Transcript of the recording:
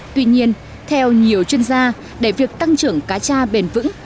tuy nhiên theo nhiều chuyên gia để việc tăng trưởng cá cha bền vững